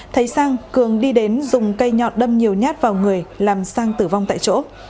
thấy sang cường đi đến dùng cây nhọn đâm nhiều nhát vào người làm sang tử vong tại chỗ